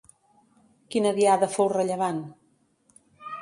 Quina diada fou rellevant?